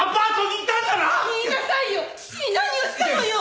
言いなさいよ！